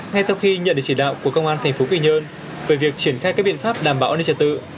ngay sau khi nhận được chỉ đạo của công an tp quy nhơn về việc triển khai các biện pháp đảm bảo an ninh trật tự